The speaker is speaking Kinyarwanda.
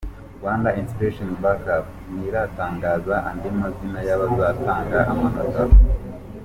Rwanda Inspiration Back Up ntiratangaza andi mazina y’abazatanga amanota.